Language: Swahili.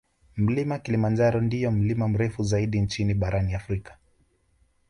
Mlima Kilimanjaro ndiyo mlima mrefu zaidi nchini na barani Afrika